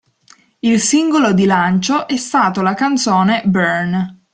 Il singolo di lancio è stato la canzone "Burn".